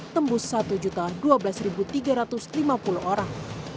tembus satu dua belas tiga ratus lima puluh orang